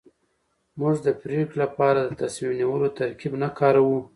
موږ د پرېکړې لپاره د تصميم نيولو ترکيب نه کاروو.